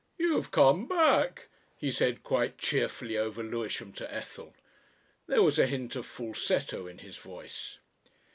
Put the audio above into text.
"You've come back," he said quite cheerfully over Lewisham to Ethel. There was a hint of falsetto in his voice.